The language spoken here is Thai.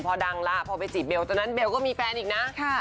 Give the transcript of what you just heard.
พอไปจีบเบลตอนนั้นเบลก็มีแฟนอีกนะ